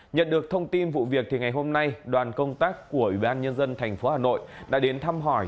nhận được thông tin vụ việc thì ngày hôm nay đoàn công tác của ubnd tp hà nội đã đến thăm hỏi